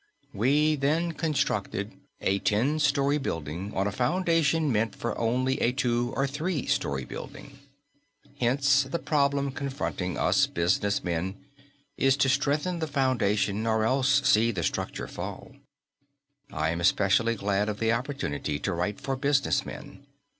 We then constructed a ten story building on a foundation meant for only a two or three story building. Hence the problem confronting us business men is to strengthen the foundation or else see the structure fall. I am especially glad of the opportunity to write for business men.